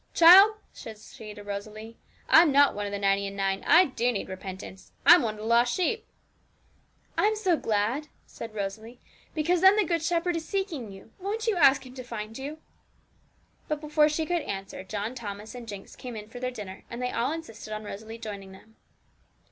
'Child,' she said to Rosalie, 'I'm not one of the ninety and nine; I do need repentance; I'm one of the lost sheep.' 'I'm so glad,' said Rosalie; 'because then the Good Shepherd is seeking you: won't you ask Him to find you?' But before she could answer John Thomas and Jinx came in for their dinner, and they all insisted on Rosalie joining them.